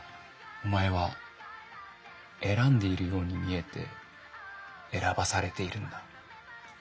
お前は選んでいるように見えて選ばされているんだ。